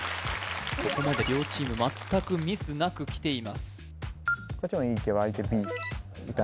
ここまで両チーム全くミスなくきています